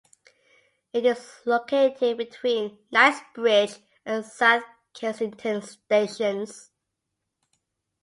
It is located between Knightsbridge and South Kensington stations.